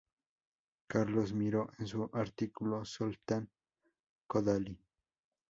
Carlos Miró, en su artículo "Zoltán Kodály.